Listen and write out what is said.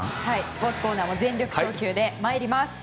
スポーツコーナーも全力投球で参ります。